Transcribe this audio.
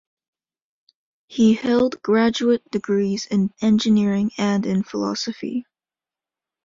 He held graduate degrees in engineering and in philosophy.